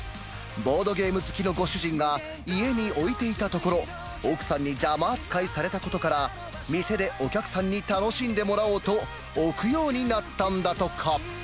ボードゲーム好きのご主人が家に置いていたところ、奥さんに邪魔扱いされたことから、店でお客さんに楽しんでもらおうと、置くようになったんだとか。